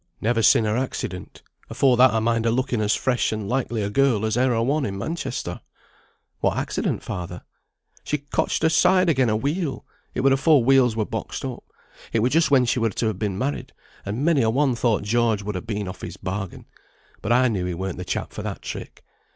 "Never sin' her accident. Afore that I mind her looking as fresh and likely a girl as e'er a one in Manchester." "What accident, father?" "She cotched her side again a wheel. It were afore wheels were boxed up. It were just when she were to have been married, and many a one thought George would ha' been off his bargain; but I knew he wern't the chap for that trick.